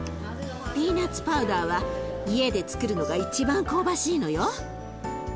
ピーナツパウダーは家でつくるのが一番香ばしいのよ。